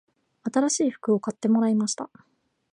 新しい服を買ってもらいました